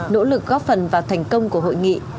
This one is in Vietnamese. nỗ lực góp phần vào thành công của hội nghị